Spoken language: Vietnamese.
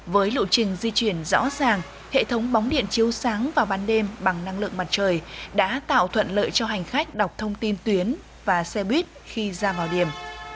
với lộ trình di chuyển rõ ràng hệ thống bóng điện chiếu sáng vào ban đêm bằng năng lượng mặt trời đã tạo thuận lợi cho hành khách đọc thông tin tuyến và xe buýt khi ra vào điểm